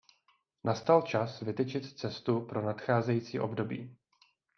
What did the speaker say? Nastal čas vytyčit cestu pro nadcházející období.